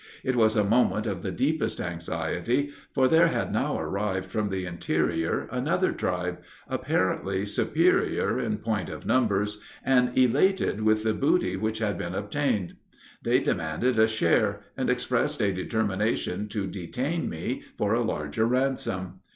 It was a moment of the deepest anxiety, for there had now arrived from the interior another tribe, apparently superior in point of numbers, and elated with the booty which had been obtained. They demanded a share, and expressed a determination to detain me for a larger ransom.